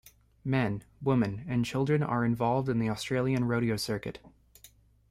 Men, women and children are involved in the Australian rodeo circuit.